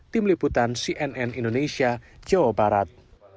tim liputan cnn indonesia jawa barat